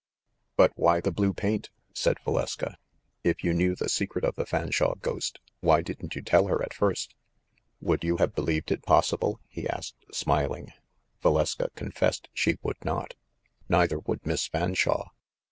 "But why the blue paint?" said Valeska. "If you knew the secret of the Fanshawe ghost, why didn't you tell her at first?" "Would you have Relieved it possible?" he asked smiling. Valeska confessed she would not. "Neither would Miss Fanshawe.